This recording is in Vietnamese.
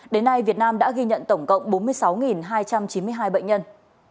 đến nay việt nam đã ghi nhận tổng cộng bốn mươi sáu hai trăm chín mươi hai bệnh nhân